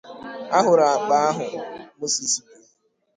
a hụrụ àkpà ahụ Moses bu